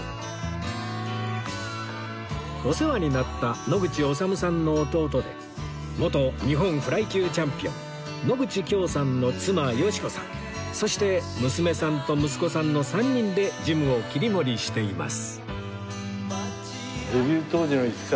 お世話になった野口修さんの弟で元日本フライ級チャンピオン野口恭さんの妻美子さんそして娘さんと息子さんの３人でジムを切り盛りしています